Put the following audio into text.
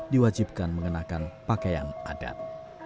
diwajibkan mengenakan pakaian adat